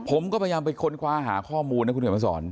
ผมก็พยายามไปค้นคว้าหาข้อมูลนะคุณเขียนมาสอน